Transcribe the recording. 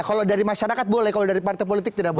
kalau dari masyarakat boleh kalau dari partai politik tidak boleh